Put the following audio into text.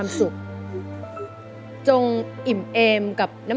๔หมื่น